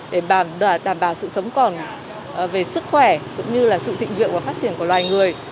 để đảm bảo sự sống còn về sức khỏe cũng như là sự thịnh vượng và phát triển của loài người